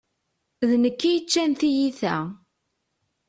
D nekk i yeččan tiyita.